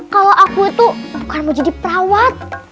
kalau aku tuh bukan mau jadi perawat